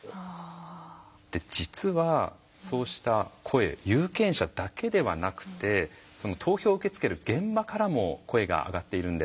で実はそうした声有権者だけではなくてその投票を受け付ける現場からも声が上がっているんです。